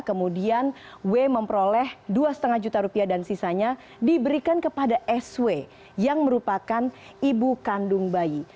kemudian w memperoleh dua lima juta rupiah dan sisanya diberikan kepada sw yang merupakan ibu kandung bayi